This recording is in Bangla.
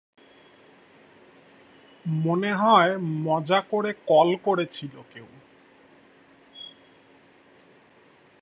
মনে হয় মজা করে কল করেছিল কেউ।